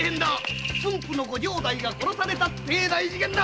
駿府のご城代が殺されたという大事件だ！